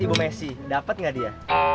ibu messi dapat nggak dia